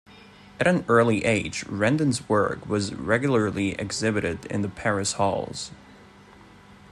At an early age Rendon's work was regularly exhibited in the Paris Halls.